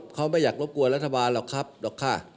เขาไม่อยากรบกวนรัฐบาลหรอกครับหรอกค่ะ